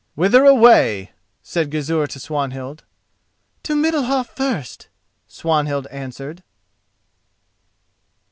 "Whither away?" said Gizur to Swanhild. "To Middalhof first," Swanhild answered.